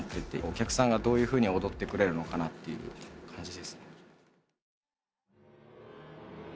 お客さんがどういうふうに踊ってくれるのかなという感じ。